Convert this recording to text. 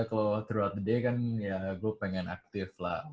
kalau threalth the day kan ya gue pengen aktif lah